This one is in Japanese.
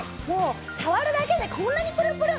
触るだけで、こんなにプルプル！